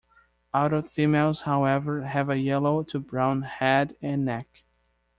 Adult females, however, have a yellow to brown head and neck.